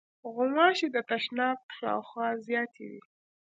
غوماشې د تشناب شاوخوا زیاتې وي.